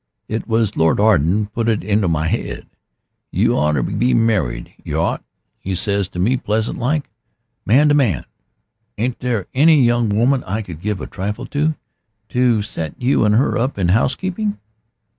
It was Lord Arden put it into my 'ed. 'You oughter be married you ought,' 'e says to me pleasant like, man to man; 'ain't there any young woman I could give a trifle to, to set you and her up in housekeeping?'